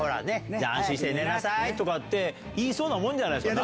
安心して寝なさい」とかって言いそうなもんじゃないですか。